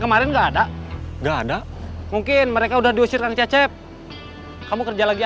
kemarin enggak ada enggak ada mungkin mereka udah diusirkan cecep kamu kerja lagi